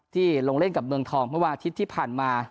ลงเล่นกับเมืองทองเมื่อวันอาทิตย์ที่ผ่านมา